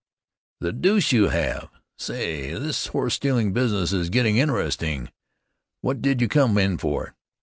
"The deuce you have! Say, this horse stealing business is getting interesting. What did you come in for?"